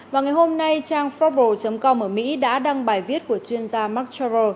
và ngày hôm nay trang frobo com ở mỹ đã đăng bài viết của chuyên gia mark trorrell